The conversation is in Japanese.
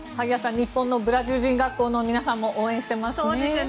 日本のブラジル人学校の人も応援していますね。